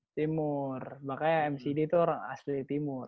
timur makanya mcd tuh orang asli timur